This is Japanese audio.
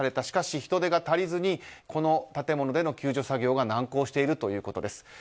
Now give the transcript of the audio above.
しかし、人手が足りずにこの建物での救助作業が難航しているということです。